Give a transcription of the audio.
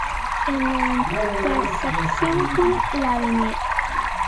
En la intersección con Av.